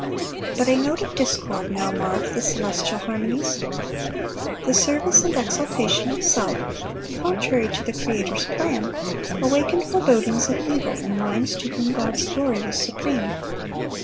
But a note of discord now marred the celestial harmonies. The service and exaltation of self, contrary to the Creator's plan, awakened forebodings of evil in minds to whom God's glory was supreme.